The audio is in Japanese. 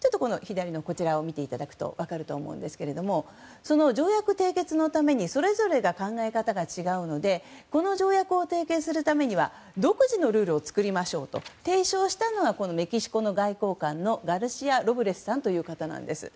こちらを見ていただくと分かると思うんですが条約締結のためにそれぞれ考え方が違うのでこの条約を締結するために独自のルールを作りましょうと提唱したのがメキシコの外交官ガルシア・ロブレスさんという方です。